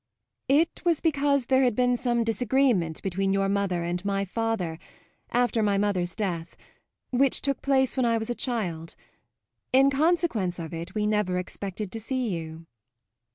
"It was because there had been some disagreement between your mother and my father, after my mother's death, which took place when I was a child. In consequence of it we never expected to see you."